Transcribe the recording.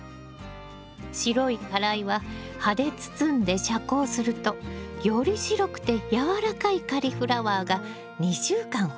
白い花蕾は葉で包んで遮光するとより白くてやわらかいカリフラワーが２週間ほどで収穫できるわよ。